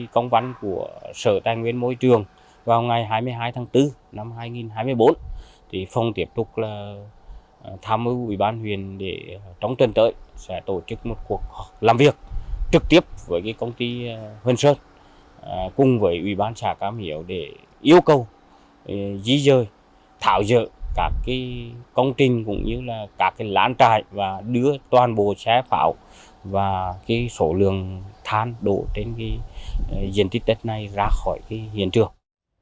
công ty cũng như là các cái lãn trại và đứa toàn bộ xe phảo và cái số lượng than đổ trên cái diện tích đất này ra khỏi cái hiện trường